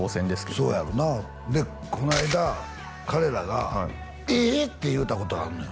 そうやろうなこの間彼らがえって言うたことがあんのよ